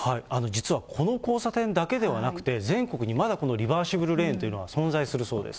実はこの交差点だけではなくて、全国にまだこのリバーシブルレーンというのは存在するそうです。